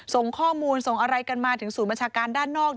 ส่งข้อมูลส่งอะไรกันมาถึงศูนย์บัญชาการด้านนอก